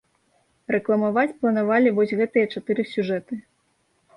Рэкламаваць планавалі вось гэтыя чатыры сюжэты.